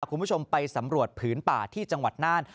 คุณผู้ชมไปสำรวจผืนป่าที่จังหวัดน่าน